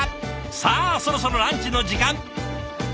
さあそろそろランチの時間。